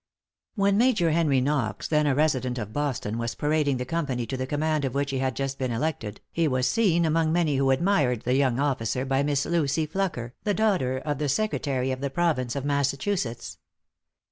|When Major Henry Knox, then a resident of Boston, was parading the company to the command of which he had just been elected, he was seen, among many who admired the young officer, by Miss Lucy Flucker, the daughter of the Secretary of the Province of Massachusetts.